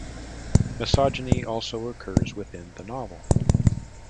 Misogyny also occurs within the novel.